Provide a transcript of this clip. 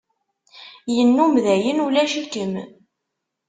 Yennum dayen ulac-ikem.